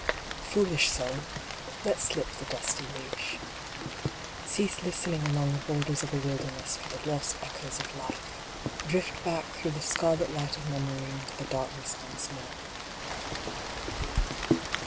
Foolish soul ! let slip the dusty leash. Cease listening along the borders of a wilderness for the lost echoes of life. Drift back through the scarlet light of Memory into the darkness once more.